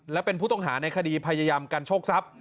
และเป็นผู้ต้องหาในคดีพยายามกันโชคทรัพย์